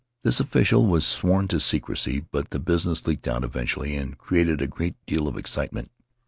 This official was sworn to secrecy, but the business leaked out eventually and created a great deal of excitement.